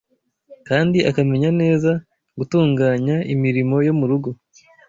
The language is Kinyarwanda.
kandi akamenya neza gutunganya imirimo yo mu rugo.